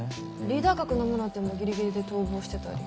リーダー格の宗手もギリギリで逃亡してたり。